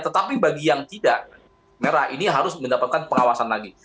tetapi bagi yang tidak merah ini harus mendapatkan pengawasan lagi